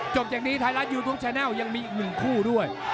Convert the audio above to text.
จบจากนี้ไทยรัฐยูทูปแนลยังมีอีกหนึ่งคู่ด้วย